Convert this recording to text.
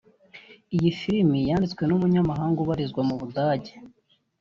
Iyi ni Filmi yanditswe n’umunyamahanga ubarizwa mu Budage